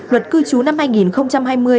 luật cư trú năm hai nghìn hai mươi